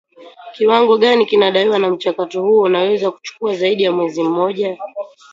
kiwango gani kinadaiwa na mchakato huo unaweza kuchukua zaidi ya mwezi mmoja